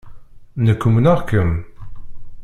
Nekk umneɣ-kem.